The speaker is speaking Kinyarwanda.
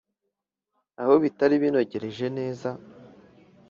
aho bitari binogereje neza,